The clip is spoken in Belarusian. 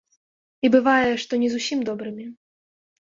І бывае, што не зусім добрымі.